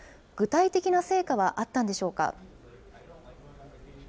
具体的な成果はあったんでしょう